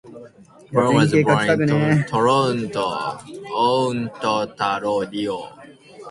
Brown was born in Toronto, Ontario.